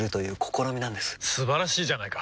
素晴らしいじゃないか！